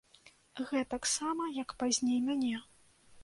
Гэтаксама, як пазней мяне.